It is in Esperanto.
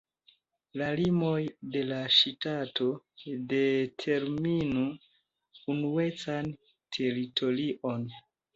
La limoj de la ŝtato determinu unuecan teritorion.